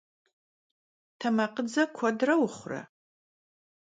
Temakhıdze kuedre vuxhure?